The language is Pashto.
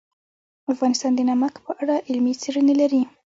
افغانستان د نمک په اړه علمي څېړنې لري.